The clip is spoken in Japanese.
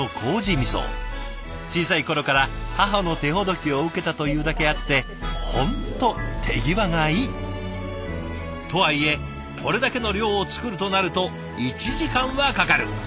小さい頃から母の手ほどきを受けたというだけあって本当手際がいい！とはいえこれだけの量を作るとなると１時間はかかる。